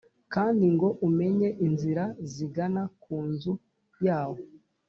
kandi ngo umenye inzira zigana ku nzu yawo’